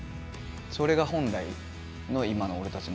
それが本来の今の俺たちの姿だから。